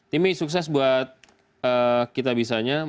timmy sukses buat kita bisanya